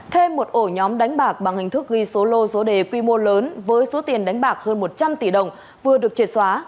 thêm một ổ nhóm đánh bạc bằng hình thức ghi số lô số đề quy mô lớn với số tiền đánh bạc hơn một trăm linh tỷ đồng vừa được triệt xóa